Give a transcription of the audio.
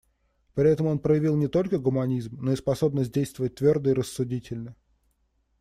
При этом он проявил не только гуманизм, но и способность действовать твердо и рассудительно.